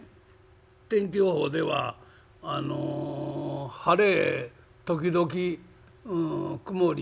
天気予報ではあの晴れ時々曇り。